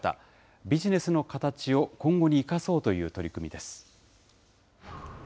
ビジネスの形を今後に生かそうという取り組みです。